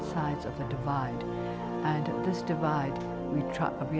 kami mencoba untuk menutupnya dengan sebaik mungkin